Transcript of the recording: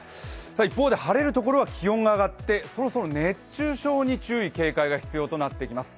一方で晴れるところは気温が上がって、そろそろ熱中症に注意・警戒が必要となってきます。